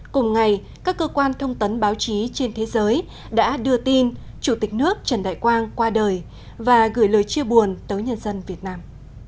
cùng ngày các cơ quan thông tấn báo chí trên thế giới đã đưa tin chủ tịch nước trần đại quang qua đời và gửi lời chia buồn tới nhân dân việt nam